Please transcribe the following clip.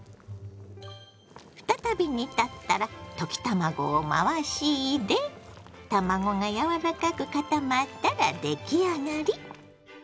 再び煮立ったら溶き卵を回し入れ卵が柔らかく固まったら出来上がり！